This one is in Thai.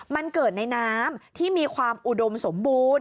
มันเกิดในน้ำที่มีความอุดมสมบูรณ์